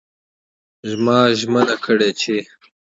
ما ژمنه کړې چې